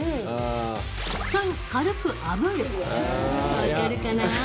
分かるかなぁ？